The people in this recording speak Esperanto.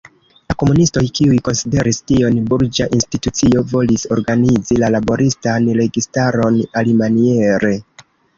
La komunistoj, kiuj konsideris tion burĝa institucio, volis organizi la laboristan registaron alimaniere.